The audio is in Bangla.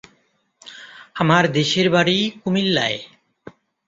আমার দেশের বাড়ি কুমিল্লায়।